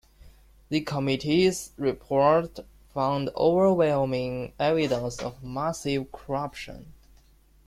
The committee's report found overwhelming evidence of massive corruption.